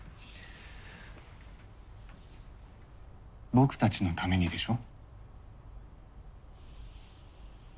僕たちのためにでしょ。